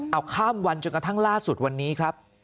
เอาข้ามวันจนกระทั่งล่าสุดวันนี้ครับ